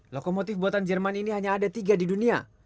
lokomotif buatan jerman ini hanya ada tiga di dunia